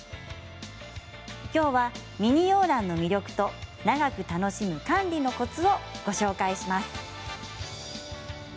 今日はミニ洋ランの魅力と長く楽しむ管理のコツをご紹介します。